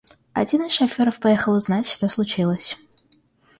Один из шаферов поехал узнать, что случилось.